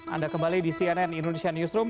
anda kembali di cnn indonesia newsroom